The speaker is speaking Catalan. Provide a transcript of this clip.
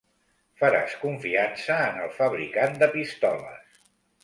Faràs confiança en el fabricant de pistoles.